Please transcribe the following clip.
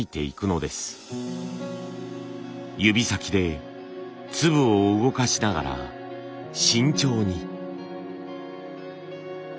指先で粒を動かしながら慎重に。